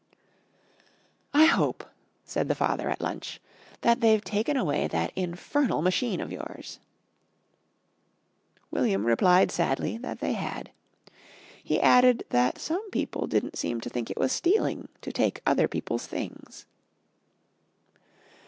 "I hope," said the father at lunch, "that they've taken away that infernal machine of yours." William replied sadly that they had. He added that some people didn't seem to think it was stealing to take other people's things.